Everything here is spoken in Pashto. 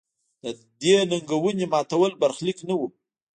د دې ننګونې ماتول برخلیک نه و.